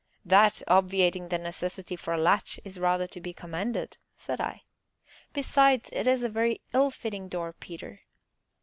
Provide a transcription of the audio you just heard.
"That, obviating the necessity of a latch, is rather to be commended," said I. "Besides, it is a very ill fitting door, Peter."